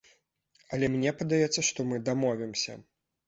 Але мне падаецца, што мы дамовімся.